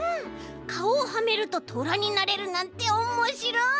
かおをはめるとトラになれるなんておもしろい！